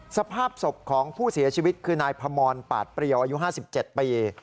สภาพศพของผู้เสียชีวิตคือนายพมรปาดเปรียวอายุ๕๗ปี